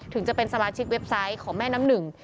ถึงจะเป็นสมาชิกเว็บไซต์ของแม่น้ำหนึ่ง